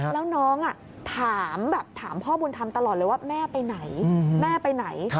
แล้วน้องถามพ่อบุญธรรมตลอดเลยว่าแม่ไปไหน